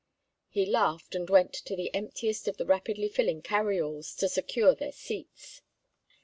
He laughed and went to the emptiest of the rapidly filling carry alls to secure their seats.